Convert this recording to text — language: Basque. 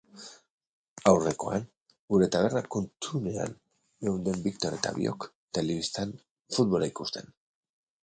Aurrekoan, gure taberna kuttunean geunden Victor eta biok, telebistan futbola ikusten.